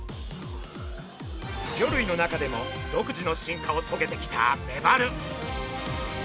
魚類の中でも独自の進化をとげてきたメバル。